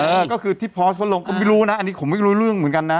เออก็คือที่พอสเขาลงก็ไม่รู้นะอันนี้ผมไม่รู้เรื่องเหมือนกันนะ